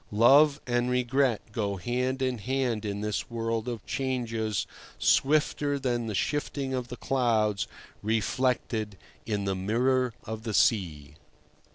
Love and regret go hand in hand in this world of changes swifter than the shifting of the clouds reflected in the mirror of the sea.